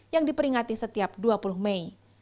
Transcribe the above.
yang diperingati setiap dua puluh mei